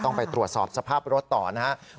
ต้องไปตรวจสอบสภาพรถต่อนะครับ